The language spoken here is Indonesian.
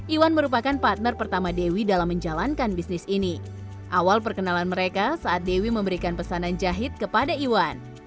iwan merupakan partner pertama dewi dalam menjalankan bisnis ini awal perkenalan mereka saat dewi memberikan pesanan jahit kepada iwan